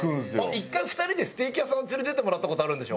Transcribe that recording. １回２人でステーキ屋さん連れてってもらった事あるんでしょ？